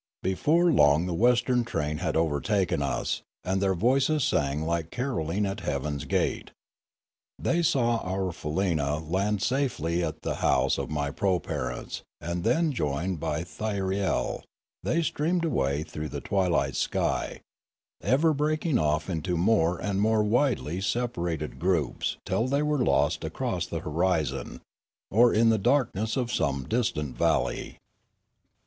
Before long the western train had overtaken us, and their voices rang like carolling at heaven's gate. They saw our faleena land in safety at the house of my proparents, and then, joined by Thy riel, they streamed away through the twilight sky, ever breaking off into more and more widely separated groups till they were lost across the horizon, or in the darkness of some distant valley.